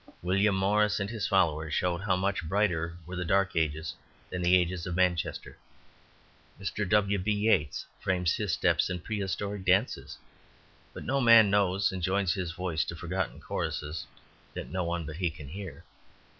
William Morris and his followers showed how much brighter were the dark ages than the age of Manchester. Mr. W. B. Yeats frames his steps in prehistoric dances, but no man knows and joins his voice to forgotten choruses that no one but he can hear.